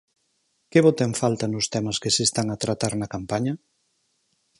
Que bota en falta nos temas que se están a tratar na campaña?